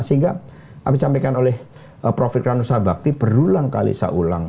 sehingga kami sampaikan oleh prof rannusa bhakti berulang kali seulang